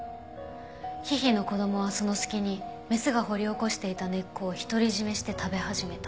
ヒヒの子供はその隙にメスが掘り起こしていた根っこを独り占めして食べ始めた。